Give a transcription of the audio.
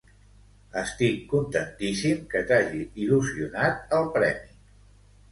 Estic contentíssim que t'hagi il·lusionat el premi.